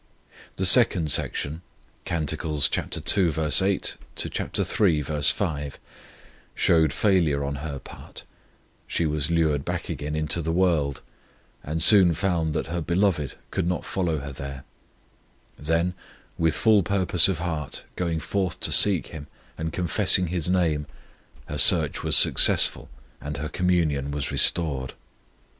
The second section (Cant. ii. 8 iii. 5) showed failure on her part; she was lured back again into the world, and soon found that her Beloved could not follow her there; then with full purpose of heart going forth to seek Him, and confessing His name, her search was successful, and her communion was restored.